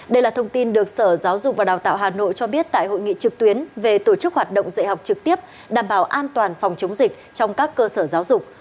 đây là thông tin được sở giáo dục và đào tạo hà nội cho biết tại hội nghị trực tuyến về tổ chức hoạt động dạy học trực tiếp đảm bảo an toàn phòng chống dịch trong các cơ sở giáo dục